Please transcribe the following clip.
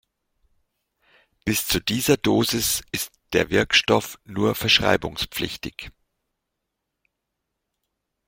Bis zu dieser Dosis ist der Wirkstoff nur verschreibungspflichtig.